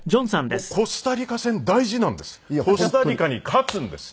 コスタリカ戦大事なんです。